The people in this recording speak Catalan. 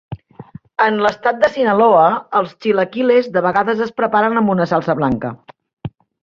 En l'estat de Sinaloa, els chilaquiles de vegades es preparen amb una salsa blanca.